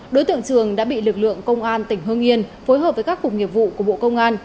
đối tượng trường đã bị lực lượng công an tỉnh hương yên phối hợp với các cục nghiệp vụ của bộ công an